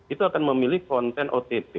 itu akan memilih konten ott